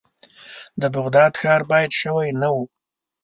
د بغداد ښار آباد شوی نه و.